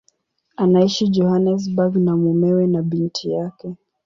Anaishi Johannesburg na mumewe na binti yake.